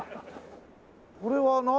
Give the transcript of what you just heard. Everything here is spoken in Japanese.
これは何？